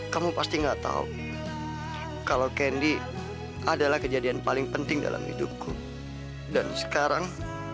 kamu pasti nggak tahu kalau kendi adalah kejadian paling penting dalam hidupku dan sekarang